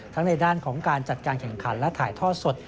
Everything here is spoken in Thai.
ในด้านของการจัดการแข่งขันและถ่ายทอดสด